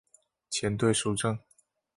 前队属正。